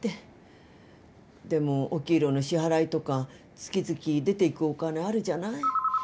でもお給料の支払いとか月々出ていくお金あるじゃない。